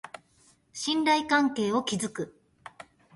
信頼関係を築く